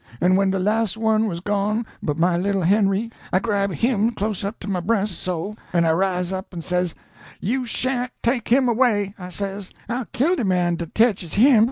An' when de las' one was gone but my little Henry, I grab' HIM clost up to my breas' so, an' I ris up an' says, 'You sha'nt take him away,' I says; 'I'll kill de man dat tetches him!'